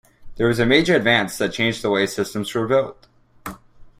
This was a major advance that changed the way systems were built.